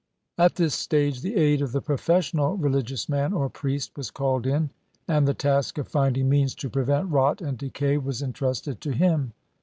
At this stage the aid of the professional religious man or priest was called in, and the task of finding means to pre vent rot and decav was entrusted to him.